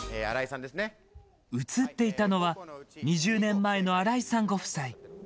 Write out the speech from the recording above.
映っていたのは２０年前の荒井さんご夫妻。